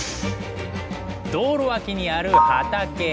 道路脇にある畑。